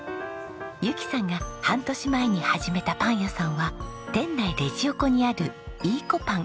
ゆきさんが半年前に始めたパン屋さんは店内レジ横にあるいいこパン。